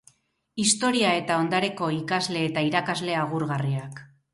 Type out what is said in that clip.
Historia eta Ondareko ikasle eta irakasle agurgarriak.